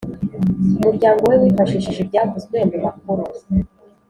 Umuryango we wifashishije ibyavuzwe mu makuru